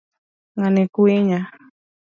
Ng'ani kwinya.